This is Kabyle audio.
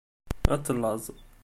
Ad tellaẓ.